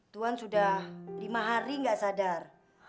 tuhan sudah lima hari gak sadar